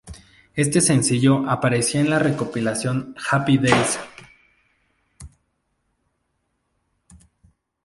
Este sencillo aparecía en la recopilación "Happy Daze".